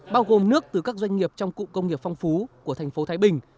bao gồm nước từ các doanh nghiệp trong cụ công nghiệp phong phú của thành phố thái bình